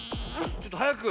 ちょっとはやく。